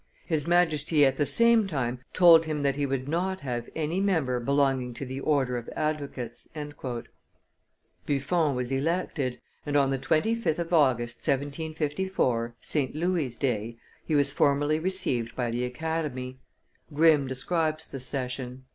His Majesty at the same time told him that he would not have any member belonging to the order of advocates." Buffon was elected, and on the 25th of August, 1754, St. Louis' day, he was formally received by the Academy; Grimm describes the session.